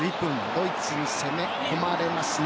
ドイツに攻め込まれます。